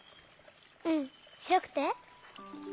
うんしろくて？